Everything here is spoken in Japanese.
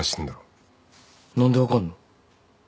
何で分かんの？